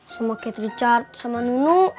sama kate richard sama nunu